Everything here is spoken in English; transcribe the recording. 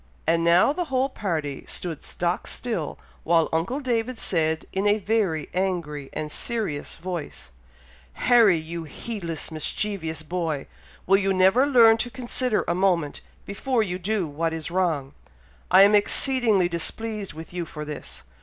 And now the whole party stood stock still, while uncle David said in a very angry and serious voice, "Harry! you heedless, mischievous boy! will you never learn to consider a moment before you do what is wrong? I am exceedingly displeased with you for this!